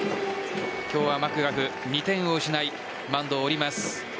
今日はマクガフ、２点を失いマウンドを降ります。